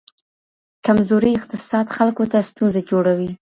کمزوری اقتصاد خلکو ته ستونزي جوړوي.